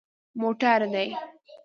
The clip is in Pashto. _موټر دي؟